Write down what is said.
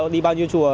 đi bao nhiêu chùa